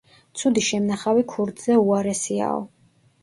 ცუდი შემნახავი ქურდზე უარესიაო.